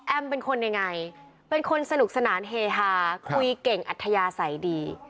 เป็นคนยังไงเป็นคนสนุกสนานเฮฮาคุยเก่งอัธยาศัยดี